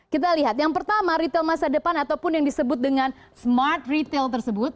kita lihat yang pertama retail masa depan ataupun yang disebut dengan smart retail tersebut